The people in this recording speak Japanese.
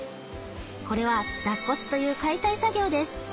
これは脱骨という解体作業です。